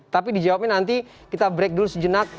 tapi dijawabnya nanti kita break dulu sejenak